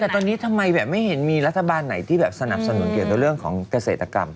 แต่ตอนนี้ทำไมแบบไม่เห็นมีรัฐบาลไหนที่แบบสนับสนุนเกี่ยวกับเรื่องของเกษตรกรรม